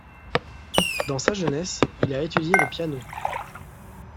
Dans sa jeunesse, il a étudié le piano.